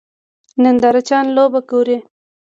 نندارچیان لوبه ګوري.